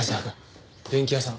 電器屋さん。